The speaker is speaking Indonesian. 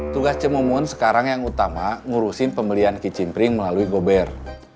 tugas cimumun sekarang yang utama ngurusin pembelian kicimpring melalui gober